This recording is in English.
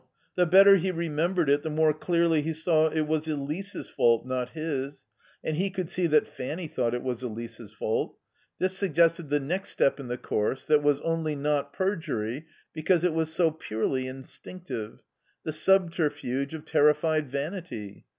The better he remembered it the more clearly he saw it was Elise's fault, not his. And he could see that Fanny thought it was Elise's fault. This suggested the next step in the course that was only not perjury because it was so purely instinctive, the subterfuge of terrified vanity.